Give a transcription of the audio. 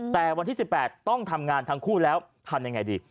แต่วันที่๑๘ต้องทำงานทั้งคู่แล้วทำยังไงดี